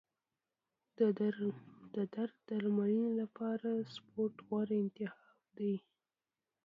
د درد درملنې لپاره سپورت غوره انتخاب دی.